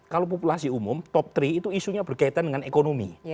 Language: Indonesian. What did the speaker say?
kalau populasi umum top tiga itu isunya berkaitan dengan ekonomi